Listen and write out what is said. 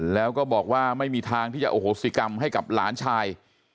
แล้วก็บอกว่าไม่มีทางที่จะโอโหสิกรรมให้กับหลานชาย